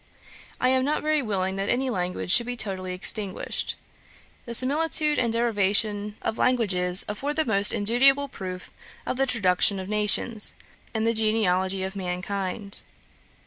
I am not very willing that any language should be totally extinguished. The similitude and derivation of languages afford the most indubitable proof of the traduction of nations, and the genealogy of mankind.